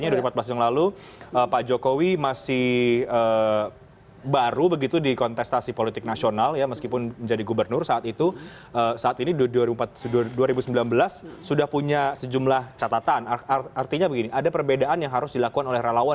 nah kita akan bahas nanti saja